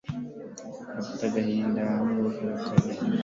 afite agahinda n'uburakari